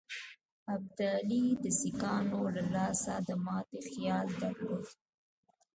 ابدالي د سیکهانو له لاسه د ماتي خیال درلود.